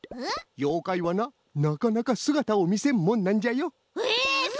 ようかいはななかなかすがたをみせんもんなんじゃよ。